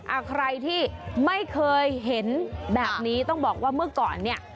อ่ะใครที่ไม่เคยเห็นแบบนี้ต้องบอกว่าเมื่อก่อนเนี่ย